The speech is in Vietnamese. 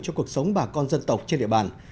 cho cuộc sống bà con dân tộc trên địa bàn